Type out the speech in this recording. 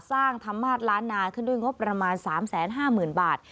ธรรมาสล้านนาขึ้นด้วยงบประมาณ๓๕๐๐๐บาท